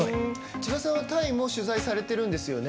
千葉さんはタイも取材されているんですよね。